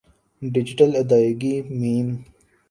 digital ادائیگی م